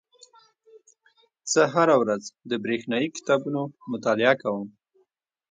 زه هره ورځ د بریښنایي کتابونو مطالعه کوم.